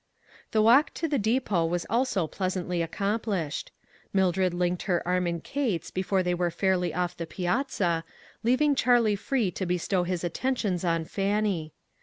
The walk to the depot was also pleasantly accomplished. Mildred linked her arm in Kate's before they were fairly off the piazza, leaving Charlie free to bestow his attentions on Fan nie.